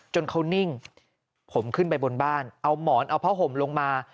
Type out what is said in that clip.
จนเขานิ่งผมขึ้นไปบนบ้านเอาหมอนเอาผ้าห่มลงมา